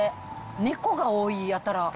猫が多い、やたら。